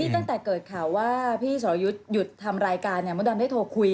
ตั้งแต่เกิดข่าวว่าพี่สรยุทธ์หยุดทำรายการมดดำได้โทรคุย